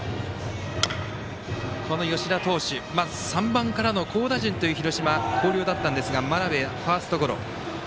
この吉田投手、３番からの好打順という広島の広陵だったんですが真鍋、ファーストゴロ。